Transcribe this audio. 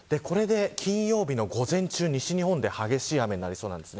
金曜日の午前中、西日本で激しい雨になりそうです。